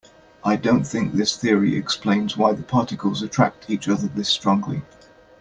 I don't think this theory explains why the particles attract each other this strongly.